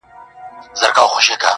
يو يمه خو.